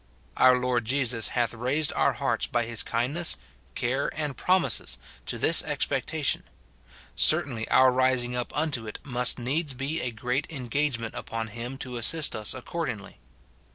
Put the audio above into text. Our Lord Jesus hath raised our hearts, by his kindness, care, and promises, to this ex pectation ; certainly our rising up unto it must needs be a great engagement upon him to assist us accordingly.